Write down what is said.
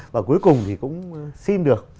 và cuối cùng thì cũng xin được